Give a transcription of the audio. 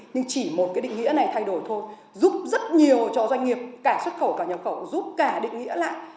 nhưng chỉ một cái định nghĩa này thay đổi thôi giúp rất nhiều cho doanh nghiệp cả xuất khẩu cả nhập khẩu giúp cả định nghĩa lại